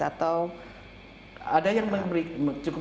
kalau ada yang cukup